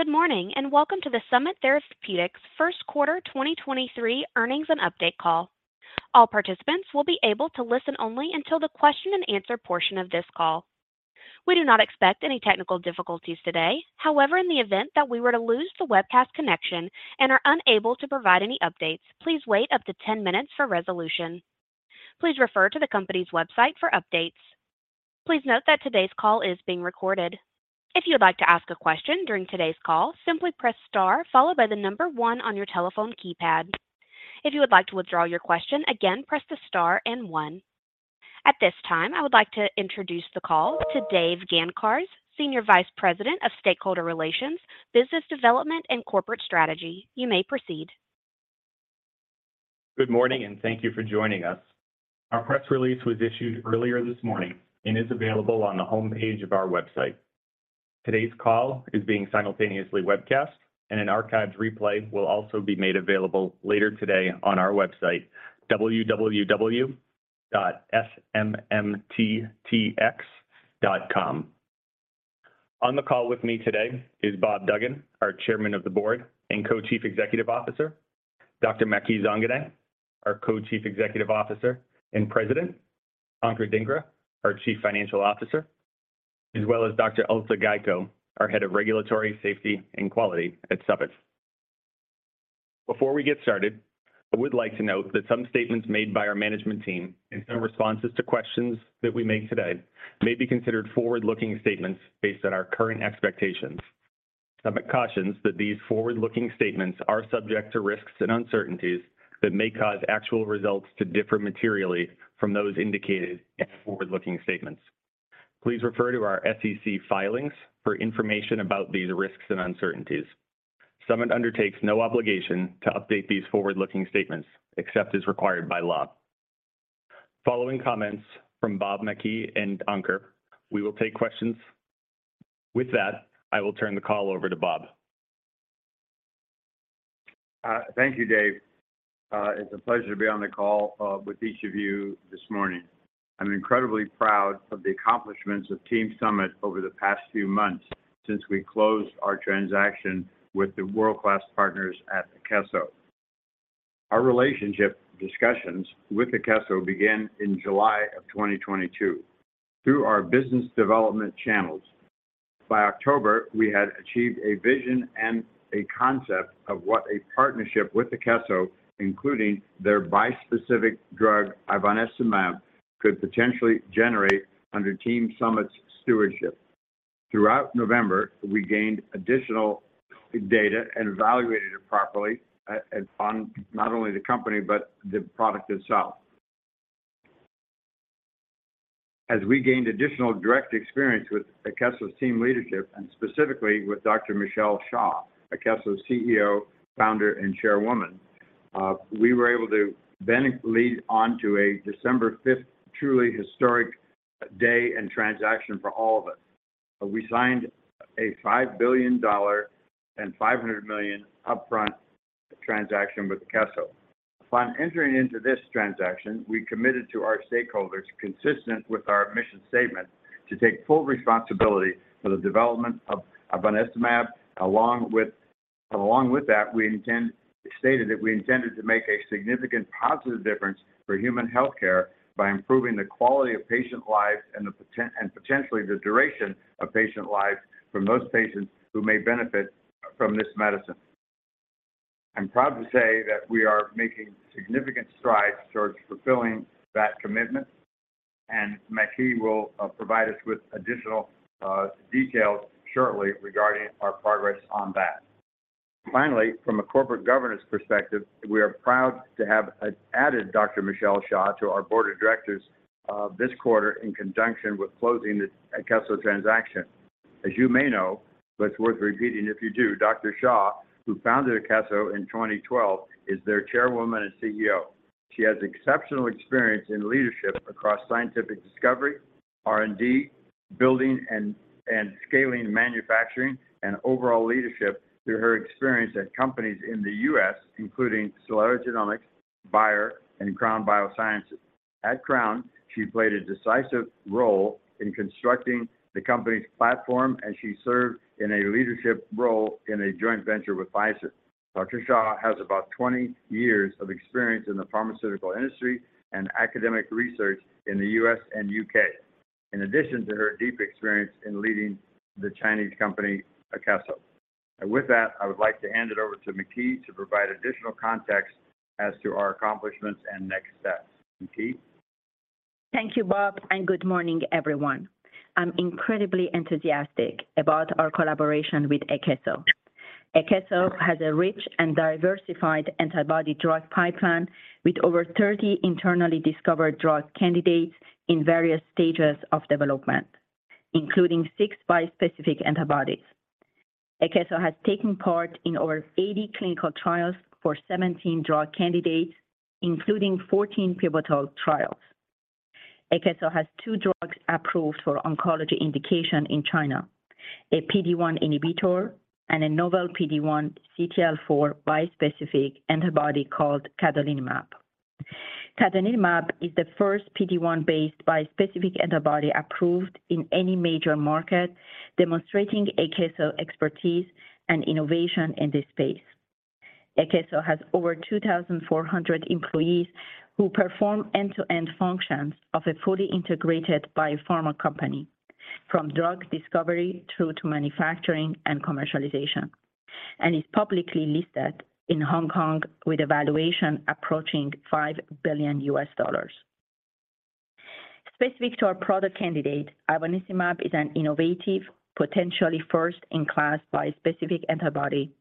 Good morning, and welcome to the Summit Therapeutics first quarter 2023 earnings and update call. All participants will be able to listen only until the question-and-answer portion of this call. We do not expect any technical difficulties today. However, in the event that we were to lose the webcast connection and are unable to provide any updates, please wait up to 10 minutes for resolution. Please refer to the company's website for updates. Please note that today's call is being recorded. If you would like to ask a question during today's call, simply press star followed by the number one on your telephone keypad. If you would like to withdraw your question, again, press the star and one. At this time, I would like to introduce the call to Dave Gancarz, Senior Vice President of Stakeholder Relations, Business Development, and Corporate Strategy. You may proceed. Good morning, thank you for joining us. Our press release was issued earlier this morning and is available on the homepage of our website. Today's call is being simultaneously webcast, an archived replay will also be made available later today on our website, www.smmttx.com. On the call with me today is Bob Duggan, our Chairman of the Board and Co-chief Executive Officer, Dr. Maky Zanganeh, our Co-chief Executive Officer and President, Ankur Dhingra, our Chief Financial Officer, as well as Dr. Urte Gayko, our Head of Regulatory Safety and Quality at Summit. Before we get started, I would like to note that some statements made by our management team and some responses to questions that we make today may be considered forward-looking statements based on our current expectations. Summit cautions that these forward-looking statements are subject to risks and uncertainties that may cause actual results to differ materially from those indicated in forward-looking statements. Please refer to our SEC filings for information about these risks and uncertainties. Summit undertakes no obligation to update these forward-looking statements except as required by law. Following comments from Bob, Maky, and Ankur, we will take questions. With that, I will turn the call over to Bob. Thank you, Dave. It's a pleasure to be on the call with each of you this morning. I'm incredibly proud of the accomplishments of Team Summit over the past few months since we closed our transaction with the world-class partners at Akeso. Our relationship discussions with Akeso began in July of 2022 through our business development channels. By October, we had achieved a vision and a concept of what a partnership with Akeso, including their bispecific drug ivonescimab, could potentially generate under Team Summit's stewardship. Throughout November, we gained additional data and evaluated it properly on not only the company, but the product itself. As we gained additional direct experience with Akeso's team leadership, and specifically with Dr. Michelle Xia, Akeso's CEO, Founder, and Chairwoman, we were able to then lead onto a December 5th truly historic day and transaction for all of us. We signed a $5 billion and $500 million upfront transaction with Akeso. By entering into this transaction, we committed to our stakeholders, consistent with our mission statement, to take full responsibility for the development of ivonescimab. Along with that, we stated that we intended to make a significant positive difference for human health care by improving the quality of patient lives and potentially the duration of patient lives for most patients who may benefit from this medicine. I'm proud to say that we are making significant strides towards fulfilling that commitment, and Maky will provide us with additional details shortly regarding our progress on that. Finally, from a corporate governance perspective, we are proud to have added Dr. Michelle Xia to our board of directors this quarter in conjunction with closing the Akeso transaction. As you may know, but it's worth repeating if you do, Dr. Xia, who founded Akeso in 2012, is their Chairwoman and CEO. She has exceptional experience in leadership across scientific discovery, R&D, building and scaling manufacturing, and overall leadership through her experience at companies in the US, including Celera Genomics, Bayer, and Crown Bioscience. At Crown, she played a decisive role in constructing the company's platform, she served in a leadership role in a joint venture with Pfizer. Dr. Xia has about 20 years of experience in the pharmaceutical industry and academic research in the US and UK, in addition to her deep experience in leading the Chinese company, Akeso. With that, I would like to hand it over to Maky to provide additional context as to our accomplishments and next steps. Maky? Thank you, Bob. Good morning, everyone. I'm incredibly enthusiastic about our collaboration with Akeso. Akeso has a rich and diversified antibody drug pipeline with over 30 internally discovered drug candidates in various stages of development, including six bispecific antibodies. Akeso has taken part in over 80 clinical trials for 17 drug candidates, including 14 pivotal trials. Akeso has two drugs approved for oncology indication in China, a PD-1 inhibitor and a novel PD-1/CTLA-4 bispecific antibody called cadonilimab. cadonilimab is the first PD-1 based bispecific antibody approved in any major market demonstrating Akeso expertise and innovation in this space. Akeso has over 2,400 employees who perform end-to-end functions of a fully integrated biopharma company from drug discovery through to manufacturing and commercialization, is publicly listed in Hong Kong with a valuation approaching $5 billion. Specific to our product candidate, ivonescimab is an innovative, potentially first-in-class bispecific antibody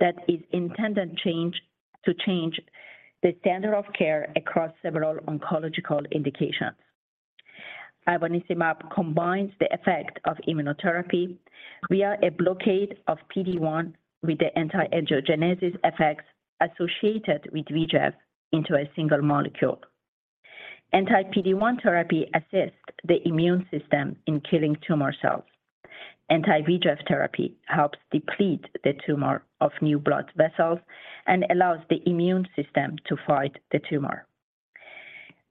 that is intended to change the standard of care across several oncological indications. Ivonescimab combines the effect of immunotherapy via a blockade of PD-1 with the anti-angiogenesis effects associated with VEGF into a single molecule. Anti-PD-1 therapy assists the immune system in killing tumor cells. Anti-VEGF therapy helps deplete the tumor of new blood vessels and allows the immune system to fight the tumor.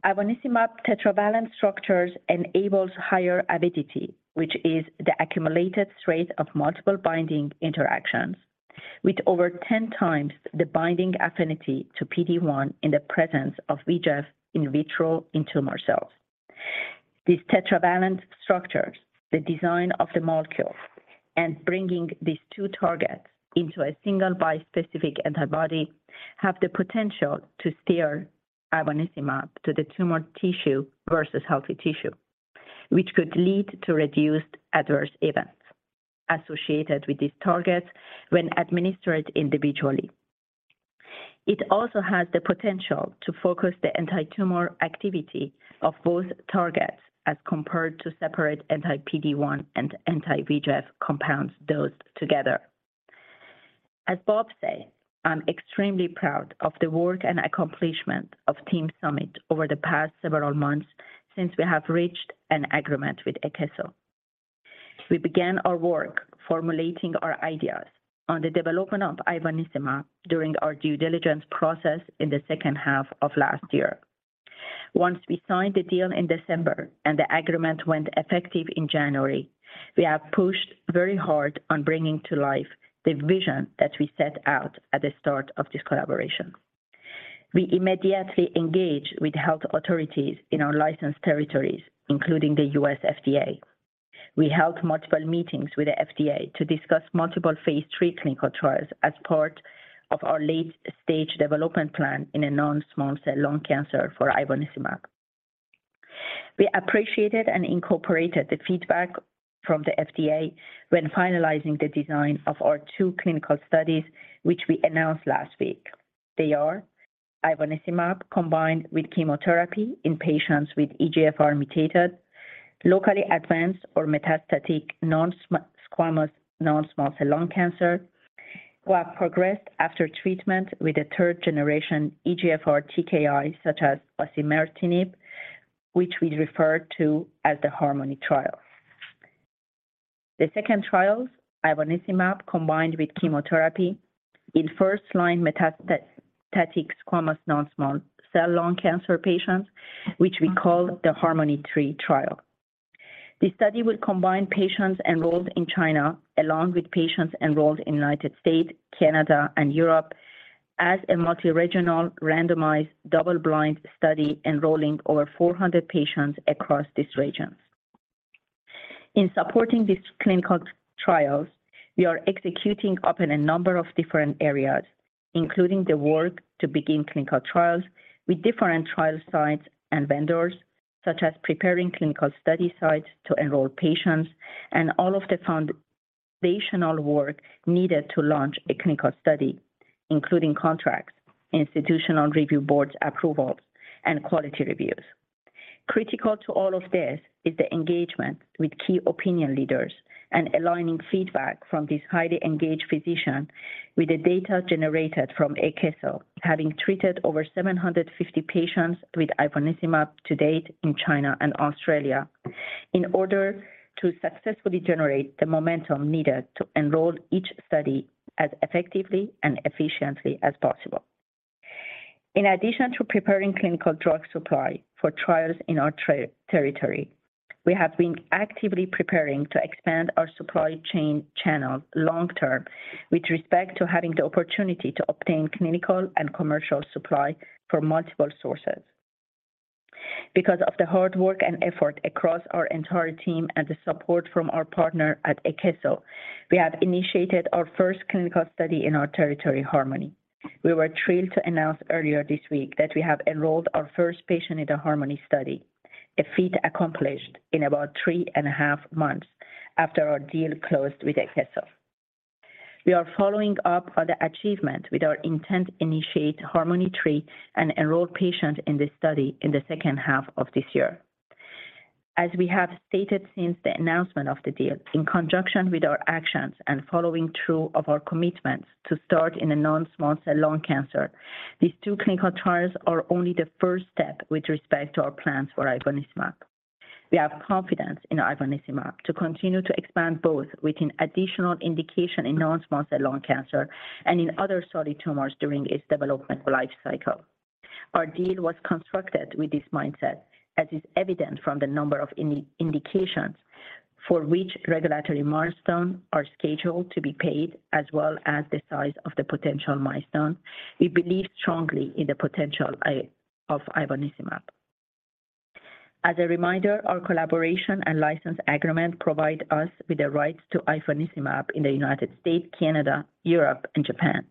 Ivonescimab tetravalent structures enables higher avidity, which is the accumulated strength of multiple binding interactions with over 10x the binding affinity to PD-1 in the presence of VEGF in vitro in tumor cells. These tetravalent structures, the design of the molecule, and bringing these two targets into a single bispecific antibody have the potential to steer ivonescimab to the tumor tissue versus healthy tissue, which could lead to reduced adverse events associated with these targets when administered individually. It also has the potential to focus the anti-tumor activity of both targets as compared to separate anti-PD-1 and anti-VEGF compounds dosed together. As Bob said, I'm extremely proud of the work and accomplishment of Team Summit over the past several months since we have reached an agreement with Akeso. We began our work formulating our ideas on the development of ivonescimab during our due diligence process in the second half of last year. Once we signed the deal in December and the agreement went effective in January, we have pushed very hard on bringing to life the vision that we set out at the start of this collaboration. We immediately engaged with health authorities in our licensed territories, including the US FDA. We held multiple meetings with the FDA to discuss multiple phase III clinical trials as part of our late-stage development plan in non-small cell lung cancer for ivonescimab. We appreciated and incorporated the feedback from the FDA when finalizing the design of our two clinical studies, which we announced last week. They are ivonescimab combined with chemotherapy in patients with EGFR-mutated, locally advanced or metastatic non-squamous, non-small cell lung cancer who have progressed after treatment with a third-generation EGFR TKI such as osimertinib, which we refer to as the HARMONi trial. The second trial, ivonescimab, combined with chemotherapy in first-line metastatic squamous non-small cell lung cancer patients, which we call the HARMONi-three trial. This study will combine patients enrolled in China along with patients enrolled in United States, Canada, and Europe as a multi-regional, randomized, double-blind study enrolling over 400 patients across these regions. In supporting these clinical trials, we are executing up in a number of different areas, including the work to begin clinical trials with different trial sites and vendors, such as preparing clinical study sites to enroll patients and all of the foundational work needed to launch a clinical study, including contracts, institutional review boards approvals, and quality reviews. Critical to all of this is the engagement with key opinion leaders and aligning feedback from these highly engaged physicians with the data generated from Akeso having treated over 750 patients with ivonescimab to date in China and Australia in order to successfully generate the momentum needed to enroll each study as effectively and efficiently as possible. In addition to preparing clinical drug supply for trials in our territory, we have been actively preparing to expand our supply chain channel long term with respect to having the opportunity to obtain clinical and commercial supply from multiple sources. Because of the hard work and effort across our entire team and the support from our partner at Akeso, we have initiated our first clinical study in our territory, HARMONi. We were thrilled to announce earlier this week that we have enrolled our first patient in the HARMONi study, a feat accomplished in about 3.5 months after our deal closed with Akeso. We are following up on the achievement with our intent to initiate HARMONi-three and enroll patients in this study in the second half of this year. As we have stated since the announcement of the deal, in conjunction with our actions and following through of our commitments to start in a non-small cell lung cancer, these two clinical trials are only the first step with respect to our plans for ivonescimab. We have confidence in ivonescimab to continue to expand both within additional indication in non-small cell lung cancer and in other solid tumors during its development lifecycle. Our deal was constructed with this mindset, as is evident from the number of indications for which regulatory milestones are scheduled to be paid, as well as the size of the potential milestones. We believe strongly in the potential of ivonescimab. As a reminder, our collaboration and license agreement provide us with the rights to ivonescimab in the United States, Canada, Europe and Japan.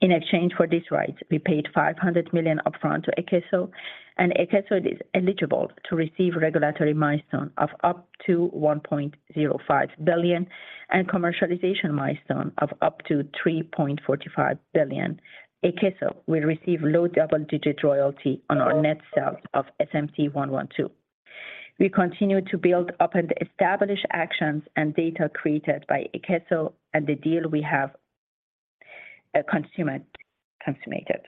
In exchange for these rights, we paid $500 million upfront to Akeso, and Akeso is eligible to receive regulatory milestone of up to $1.05 billion and commercialization milestone of up to $3.45 billion. Akeso will receive low double-digit royalty on our net sales of SMT112. We continue to build upon the established actions and data created by Akeso and the deal we have consummated.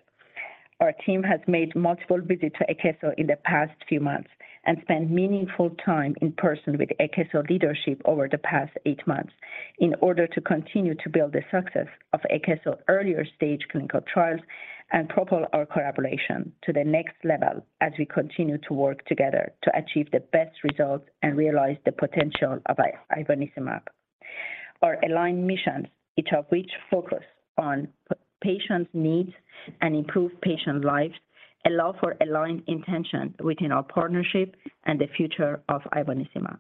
Our team has made multiple visits to Akeso in the past few months and spent meaningful time in person with Akeso leadership over the past 8 months in order to continue to build the success of Akeso earlier stage clinical trials and propel our collaboration to the next level as we continue to work together to achieve the best results and realize the potential of ivonescimab. Our aligned missions, each of which focus on patient's needs and improve patient lives, allow for aligned intention within our partnership and the future of ivonescimab.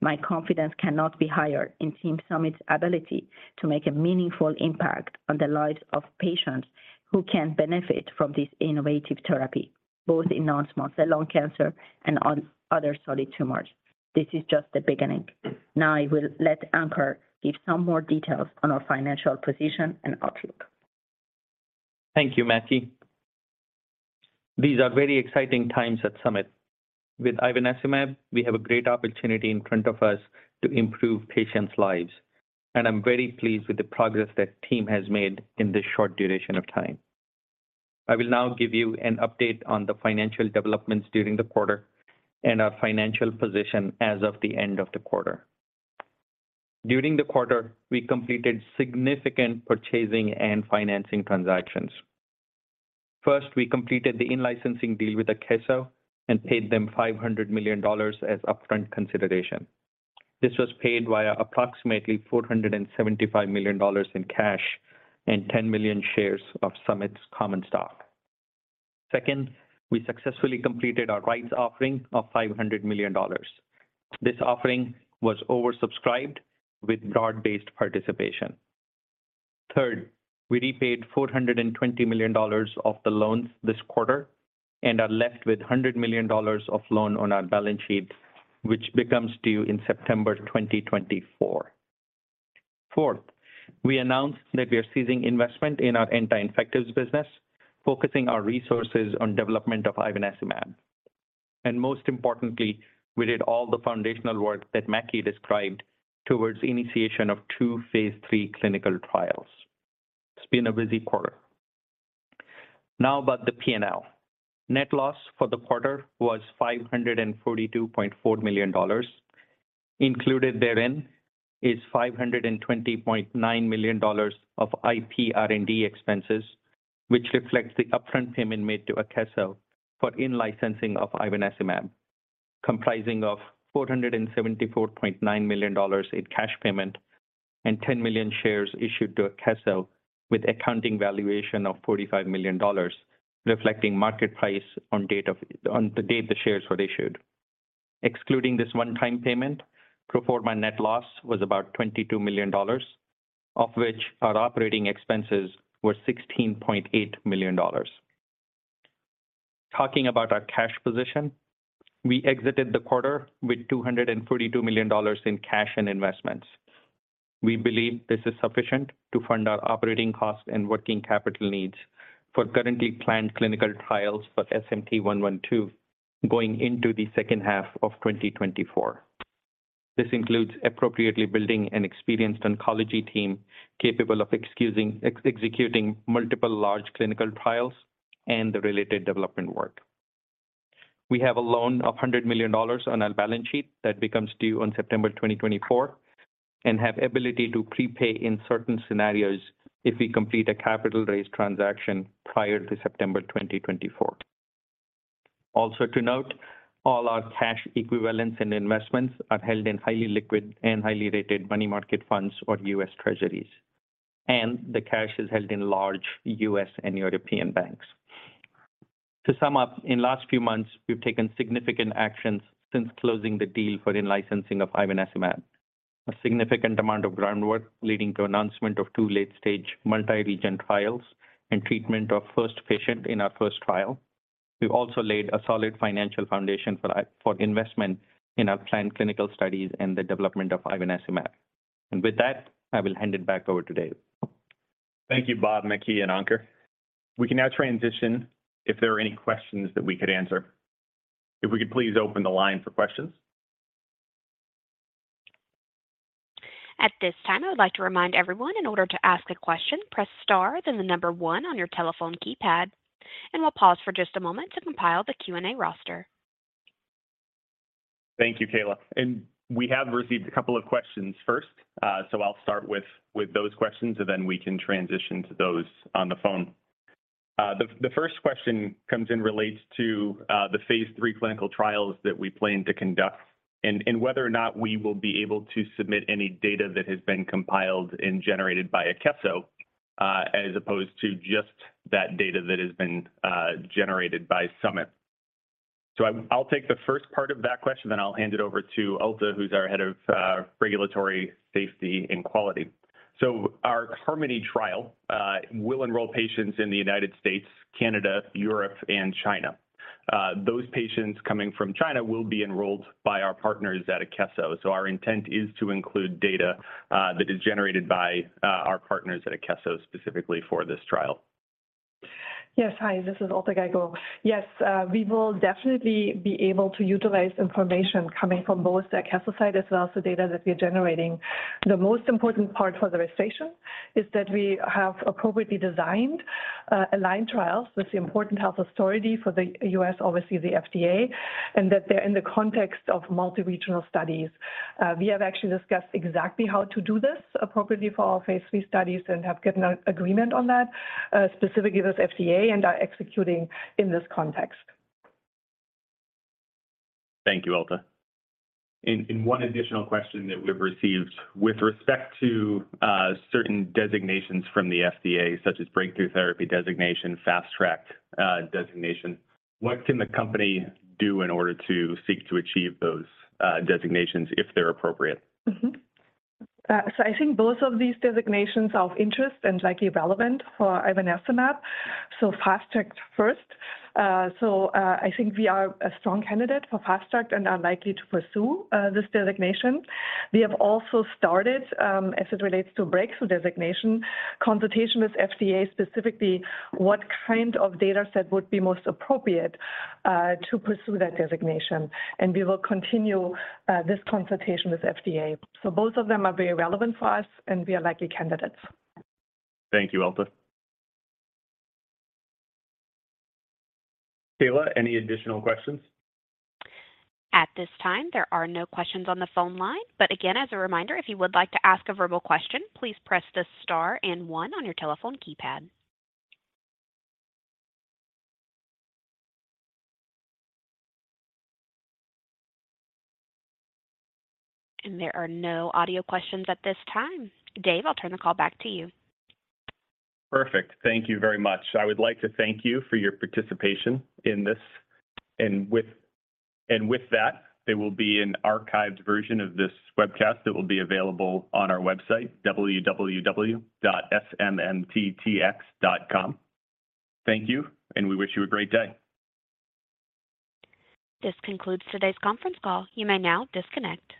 My confidence cannot be higher in team Summit's ability to make a meaningful impact on the lives of patients who can benefit from this innovative therapy, both in non-small cell lung cancer and on other solid tumors. This is just the beginning. I will let Ankur give some more details on our financial position and outlook. Thank you, Maky. These are very exciting times at Summit. With ivonescimab, we have a great opportunity in front of us to improve patients' lives, and I'm very pleased with the progress that team has made in this short duration of time. I will now give you an update on the financial developments during the quarter and our financial position as of the end of the quarter. During the quarter, we completed significant purchasing and financing transactions. First, we completed the in-licensing deal with Akeso and paid them $500 million as upfront consideration. This was paid via approximately $475 million in cash and 10 million shares of Summit's common stock. Second, we successfully completed our rights offering of $500 million. This offering was oversubscribed with broad-based participation. we repaid $420 million of the loans this quarter and are left with $100 million of loan on our balance sheet, which becomes due in September 2024. we announced that we are ceasing investment in our anti-infectives business, focusing our resources on development of ivonescimab. most importantly, we did all the foundational work that Maky described towards initiation of two phase III clinical trials. It's been a busy quarter. about the P&L. Net loss for the quarter was $542.4 million. Included therein is $520.9 million of IP R&D expenses, which reflects the upfront payment made to Akeso for in-licensing of ivonescimab, comprising of $474.9 million in cash payment and 10 million shares issued to Akeso with accounting valuation of $45 million, reflecting market price on the date the shares were issued. Excluding this one-time payment, pro forma net loss was about $22 million, of which our operating expenses were $16.8 million. Talking about our cash position, we exited the quarter with $242 million in cash and investments. We believe this is sufficient to fund our operating costs and working capital needs for currently planned clinical trials for SMT112 going into the second half of 2024. This includes appropriately building an experienced oncology team capable of executing multiple large clinical trials and the related development work. We have a loan of $100 million on our balance sheet that becomes due on September 2024 and have ability to prepay in certain scenarios if we complete a capital raise transaction prior to September 2024. To note, all our cash equivalents and investments are held in highly liquid and highly rated money market funds or U.S. Treasuries, and the cash is held in large U.S. and European banks. To sum up, in last few months, we've taken significant actions since closing the deal for in-licensing of ivonescimab, a significant amount of groundwork leading to announcement of two late-stage multi-regional trials and treatment of first patient in our first trial. We've also laid a solid financial foundation for for investment in our planned clinical studies and the development of ivonescimab. With that, I will hand it back over to Dave. Thank you, Bob, Maky, and Ankur. We can now transition if there are any questions that we could answer. If we could please open the line for questions. At this time, I would like to remind everyone in order to ask a question, press star then the number one on your telephone keypad, and we'll pause for just a moment to compile the Q&A roster. Thank you, Kayla. We have received a couple of questions first, I'll start with those questions and then we can transition to those on the phone. The first question comes in relates to the phase three clinical trials that we plan to conduct and whether or not we will be able to submit any data that has been compiled and generated by Akeso, as opposed to just that data that has been generated by Summit. I'll take the first part of that question, then I'll hand it over to Ankur, who's our head of Regulatory Safety and Quality. Our HARMONi trial will enroll patients in the United States, Canada, Europe, and China. Those patients coming from China will be enrolled by our partners at Akeso. Our intent is to include data, that is generated by, our partners at Akeso specifically for this trial. Yes. Hi, this is Urte Gayko. Yes, we will definitely be able to utilize information coming from both the Akeso site as well as the data that we are generating. The most important part for the registration is that we have appropriately designed, aligned trials with the important health authority for the U.S., obviously the FDA, and that they're in the context of multi-regional studies. We have actually discussed exactly how to do this appropriately for our phase III studies and have gotten an agreement on that specifically with FDA and are executing in this context. Thank you, Urte. One additional question that we've received. With respect to certain designations from the FDA, such as breakthrough therapy designation, fast-tracked designation, what can the company do in order to seek to achieve those designations if they're appropriate? I think both of these designations are of interest and likely relevant for ivonescimab. Fast Track first. I think we are a strong candidate for Fast Track and are likely to pursue this designation. We have also started, as it relates to breakthrough designation consultation with FDA, specifically what kind of data set would be most appropriate to pursue that designation. We will continue this consultation with FDA. Both of them are very relevant for us, and we are likely candidates. Thank you, Urte. Kayla, any additional questions? At this time, there are no questions on the phone line. Again, as a reminder, if you would like to ask a verbal question, please press the star and one on your telephone keypad. There are no audio questions at this time. Dave, I'll turn the call back to you. Perfect. Thank you very much. I would like to thank you for your participation in this. With that, there will be an archived version of this webcast that will be available on our website, www.smmttx.com. Thank you. We wish you a great day. This concludes today's conference call. You may now disconnect.